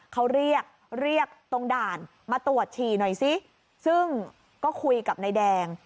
เขาเรียกเรียกตรงด่านมาตรวจฉี่หน่อยซิซึ่งก็คุยกับนายแดง